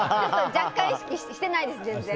若干意識してないです、全然。